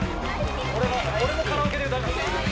俺もカラオケで歌います。